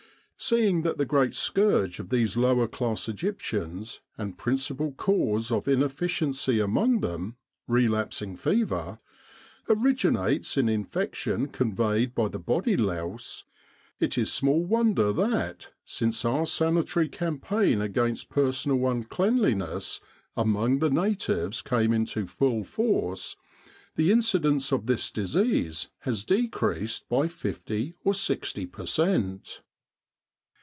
Seeing that the"great scourge of these lower class Egyptians and principal cause of inef ficiency among them relapsing fever originates in infection conveyed by the body louse, it is small won der that, since our sanitary campaign against per sonal uncleanliness among the natives came into full force, the incidence of this disease has decreased by 50 or 60 per cent.